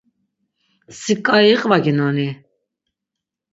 Si ǩai iqvaginoni?